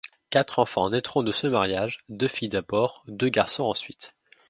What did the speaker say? Quatre enfants naitront de ce mariage, deux filles d'abord, deux garçons ensuite.